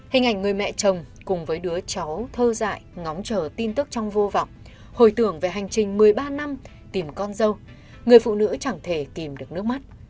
hình ảnh người mẹ chồng cùng với đứa cháu thơ dại ngóng chờ tin tức trong vô vọng hồi tưởng về hành trình một mươi ba năm tìm con dâu người phụ nữ chẳng thể tìm được nước mắt